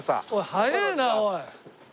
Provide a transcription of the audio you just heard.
早えなおい。